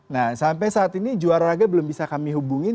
nah sampai saat ini juara raga belum bisa kami hubungin